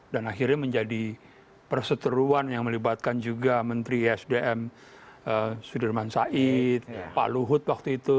dan akhirnya menjadi perseteruan yang melibatkan juga menteri isdm sudirman said pak luhut waktu itu